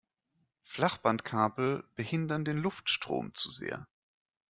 Flachbandkabel behindern den Luftstrom zu sehr.